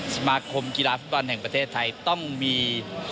สมาคมกีฬาฟุตบอลแห่งประเทศไทยต้องมี